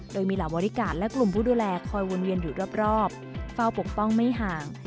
โดยมีเหล่าบริการ์ดและกลุ่มผู้ดูแลคอยวนเวียนอยู่รอบเฝ้าปกป้องไม่ห่าง